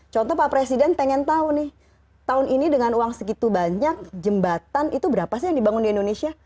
contoh pak presiden pengen tahu nih tahun ini dengan uang segitu banyak jembatan itu berapa sih yang dibangun di indonesia